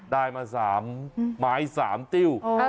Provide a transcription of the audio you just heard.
ได้มา๓ไม้๓ติ้ว